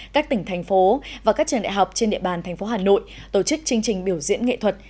các tỉnh thành phố và các trường đại học trên địa bàn thành phố hà nội tổ chức chương trình biểu diễn nghệ thuật